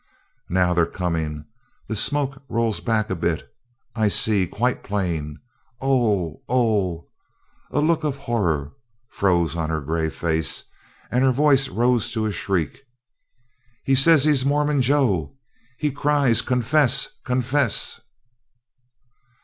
"Now they're coming! The smoke rolls back a bit I see quite plain Oh! Oh!" A look of horror froze on her gray face, and her voice rose to a shriek. "He says he's Mormon Joe! He cries Confess! Confess!"